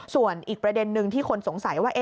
ส่วนอีกประเด็นนึงที่คนสงสัยว่า